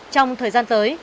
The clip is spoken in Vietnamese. trong thời gian tới